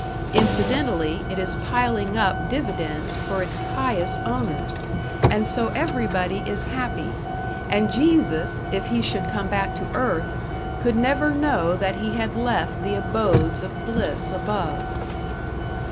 Incidentally, it is piling up dividends for its pious owners; and so everybody is happy and Jesus, if he should come back to earth, could never know that he had left the abodes of bliss above.